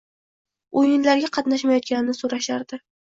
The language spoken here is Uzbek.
o'yinlarga qatnashmayotganini so'rashardi.